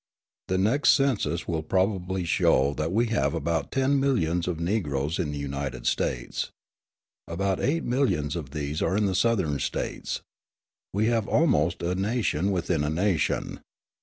The next census will probably show that we have about ten millions of Negroes in the United States. About eight millions of these are in the Southern States. We have almost a nation within a nation.